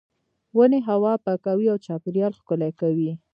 ونې هوا پاکوي او چاپیریال ښکلی کوي.